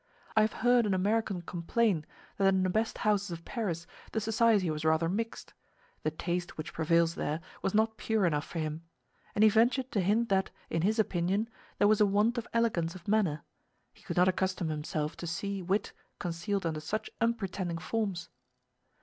I have heard an American complain, that in the best houses of Paris the society was rather mixed; the taste which prevails there was not pure enough for him; and he ventured to hint that, in his opinion, there was a want of elegance of manner; he could not accustom himself to see wit concealed under such unpretending forms.